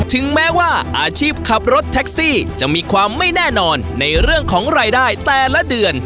ถึงแม้ว่าอาชีพขับรถแท็กซี่จะมีความไม่แน่นอนในเรื่องของรายได้แต่ละเดือน